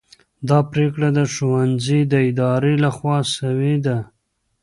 دا پرېکړه د ښوونځي د ادارې لخوا سوې ده.